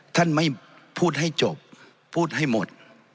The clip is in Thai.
ท่านไม่พูดให้จบพูดให้หมด